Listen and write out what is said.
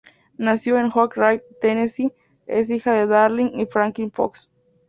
Nació en Oak Ridge, Tennessee, es hija de Darlene y Franklin Fox.